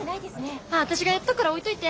私がやっとくから置いといて。